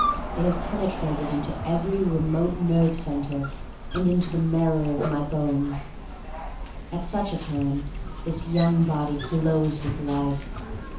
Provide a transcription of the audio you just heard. They have penetrated into every re mote nerve center and into the marrow of my bones. At such a time this young body glows with life.